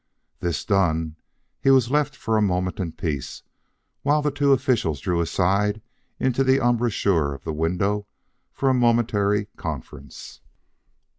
This done, he was left for a moment in peace, while the two officials drew aside into the embrasure of the window for a momentary conference.